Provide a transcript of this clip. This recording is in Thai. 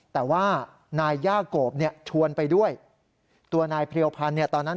แต่ว่านายย่ากลบชวนไปด้วยตัวนายเพรียวพันธ์ตอนนั้น